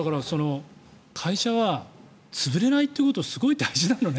会社が潰れないということはすごい大事なのね。